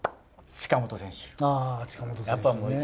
近本選手ね。